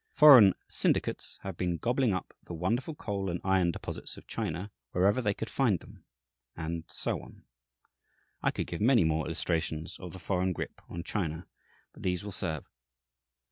Foreign "syndicates" have been gobbling up the wonderful coal and iron deposits of China wherever they could find them. And so on. I could give many more illustrations of the foreign grip on China, but these will serve.